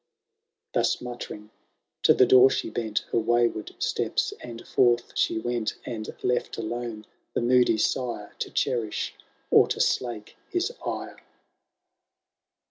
Thus muttering, to the door she bent Her wayward steps, and forth she went. And left alone the moody sire. To cherish or to slake his ire.